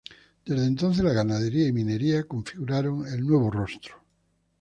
Desde entonces la ganadería y minería configuraron el nuevo rostro.